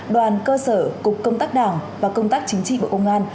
đoàn cơ sở cục công tác đảng và công tác chính trị bộ công an